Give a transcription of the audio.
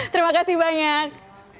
terima kasih banyak